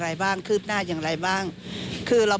คุณพ่อของคุณเตอรี่ไว้๖๖ปีนะครับ